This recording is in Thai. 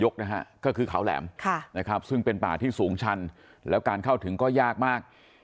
ก็คือเขาแหลมนะครับซึ่งเป็นป่าที่สูงชันแล้วการเข้าถึงก็ยากมาก